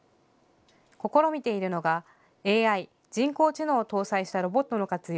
試みているのがＡＩ・人工知能を搭載したロボットの活用。